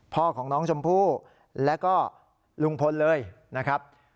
พ่อของน้องชมพู่แล้วก็ลุงพลเลยนะครับ